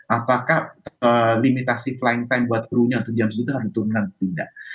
apakah limitasi flying time untuk perunya untuk jam segitu harus diturunkan atau tidak